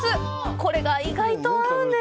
これが意外と合うんです！